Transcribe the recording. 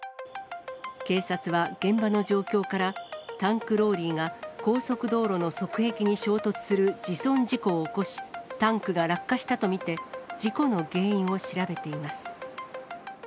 警察は現場の状況から、タンクローリーが高速道路の側壁に衝突する自損事故を起こし、タンクが落下したと見て、事故の原因を調べています。